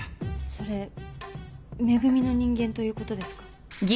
それ「め組」の人間ということですか？